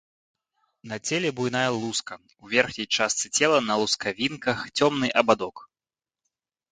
На целе буйная луска, у верхняй частцы цела на лускавінках цёмны абадок.